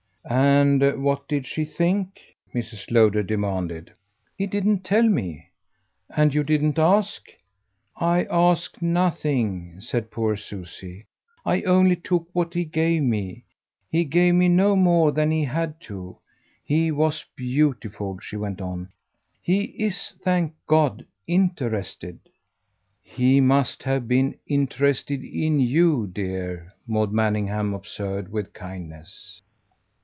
"And what did she think?" Mrs. Lowder demanded. "He didn't tell me." "And you didn't ask?" "I asked nothing," said poor Susie "I only took what he gave me. He gave me no more than he had to he was beautiful," she went on. "He IS, thank God, interested." "He must have been interested in YOU, dear," Maud Manningham observed with kindness.